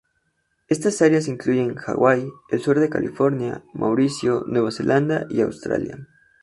Estas áreas incluyen Hawái, el sur de California, Mauricio, Nueva Zelanda y Australia.